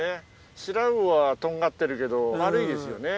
シラウオはとんがってるけど丸いですよね。